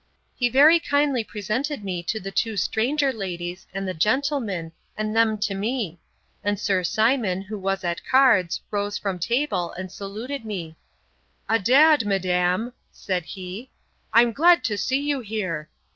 He very kindly presented me to the two stranger ladies, and the gentleman, and them to me: and Sir Simon, who was at cards, rose from table, and saluted me: Adad! madam, said he, I'm glad to see you here.